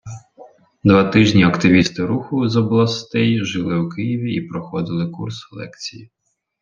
Два тижні активісти Руху з областей жили у Києві і проходили курс лекцій.